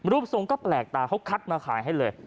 รูปทรงก็แปลกตาเขาคัดมาขายให้เลย